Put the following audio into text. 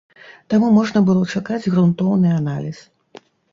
Таму можна было чакаць грунтоўны аналіз.